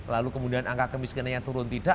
lalu kemudian angka kemiskinannya turun tidak